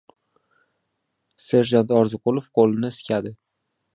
Serjant Orziqulov qo‘lini iskadi.